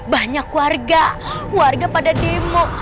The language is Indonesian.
banyak warga warga pada demo